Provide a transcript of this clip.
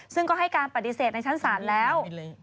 ซึ่งก็ให้การปฏิเสธในชั้นศาลแล้ว